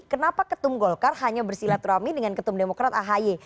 kenapa ketum golkar hanya bersilaturahmi dengan ketum demokrat ahy